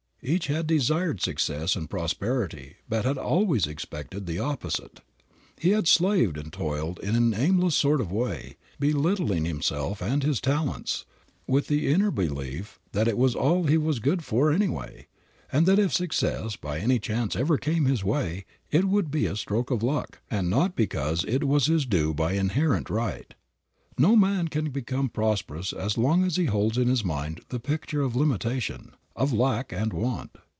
Each had desired success and prosperity but had always expected the opposite. He had slaved and toiled in an aimless sort of way, belittling himself and his talents, with the inner belief that it was all he was good for anyway, and that if success by any chance ever came his way it would be a stroke of luck, and not because it was his due by inherent right. No man can become prosperous as long as he holds in his mind the picture of limitation, of lack and want.